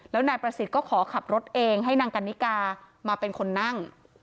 แล้วนายประสิทธิ์ก็ขอขับรถเองให้นางกันนิกามาเป็นคนนั่ง